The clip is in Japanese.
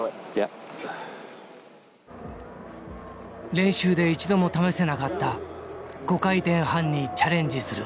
練習で一度も試せなかった５回転半にチャレンジする。